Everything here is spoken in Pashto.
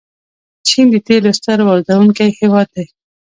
چین د تیلو ستر واردونکی هیواد دی.